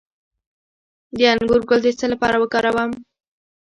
د انګور ګل د څه لپاره وکاروم؟